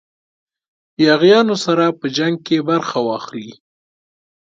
یاغیانو سره په جنګ کې برخه واخلي.